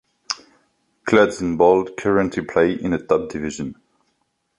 Clubs in Bold currently play in the top division.